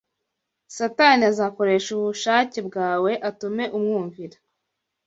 Satani azakoresha ubushake bwawe, atume umwumvira.